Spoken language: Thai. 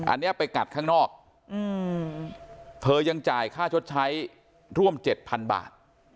อันนี้ไปกัดข้างนอกเธอยังจ่ายค่าชดใช้ร่วม๗๐๐บาท